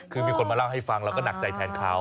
คือมีคนมาเล่าให้ฟังแล้วก็หนักใจแทนเขา